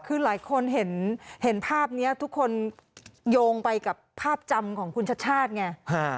คือหลายคนเห็นภาพนี้ทุกคนโยงไปกับภาพจำของคุณชาติชาติไง